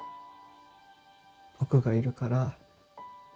僕がいるから